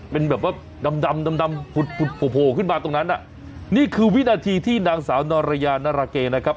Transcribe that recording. เป็นแบบว่าดำโผล่ขึ้นมาตรงนั้นนี่คือวินาทีที่นางสาวนรยานารเกย์นะครับ